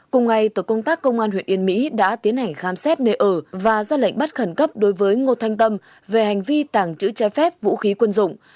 cùng ngày tổ công tác công an huyện yên mỹ đã tiến hành khám xét nơi ở và ra lệnh bắt khẩn cấp đối với ngô thanh tâm về hành vi tàng trữ trái phép vũ khí quân dụng